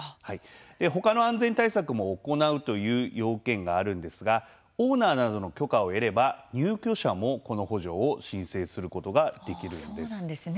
ほかの安全対策も行うという要件があるんですがオーナーなどの許可を得れば入居者もこの補助を申請することができるんです。